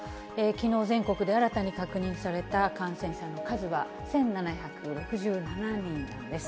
きのう、全国で新たに確認された感染者の数は１７６７人なんです。